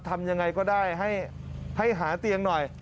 ทำยังไงก็ได้ให้หาเตียงหน่อย